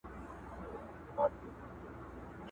څه د بمونو څه توپونو په زور ونړیږي!!